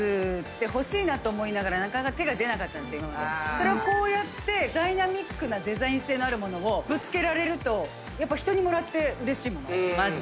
それをこうやってダイナミックなデザイン性のある物をぶつけられるとやっぱ人にもらってうれしい物。